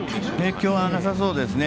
影響はなさそうですね。